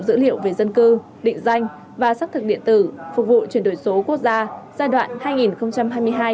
phát triển ứng dụng dữ liệu về dân cư định danh và xác thực điện tử phục vụ chuyển đổi số quốc gia